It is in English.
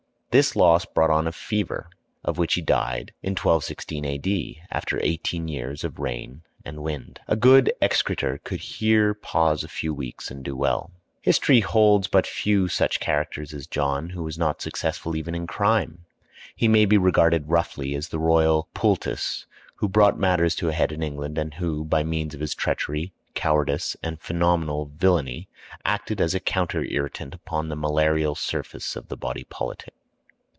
This loss brought on a fever, of which he died, in 1216 A.D., after eighteen years of reign and wind. A good execrator could here pause a few weeks and do well. History holds but few such characters as John, who was not successful even in crime. He may be regarded roughly as the royal poultice who brought matters to a head in England, and who, by means of his treachery, cowardice, and phenomenal villany, acted as a counter irritant upon the malarial surface of the body politic.